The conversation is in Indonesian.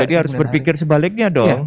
jadi harus berpikir sebaliknya dong